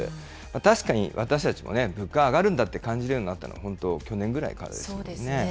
確かに、私たちも物価上がるんだって感じるようになったのは本当、去年ぐらいからですよね。